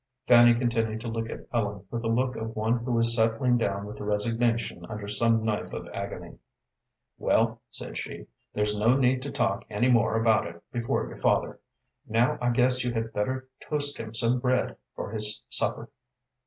Fanny continued to look at Ellen with the look of one who is settling down with resignation under some knife of agony. "Well," said she, "there's no need to talk any more about it before your father. Now I guess you had better toast him some bread for his supper."